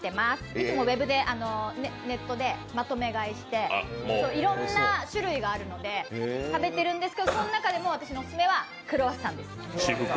いつもネットでまとめ買いしていろんな種類があるので食べてるんですけどその中でも私のオススメはクロワッサンです。